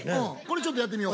ちょっとやってみよう。